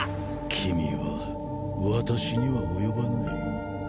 君は私には及ばない。